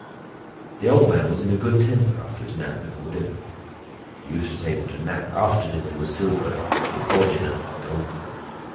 The old man was in a good temper after his nap before dinner. (He used to say that a nap "after dinner was silver—before dinner, golden.")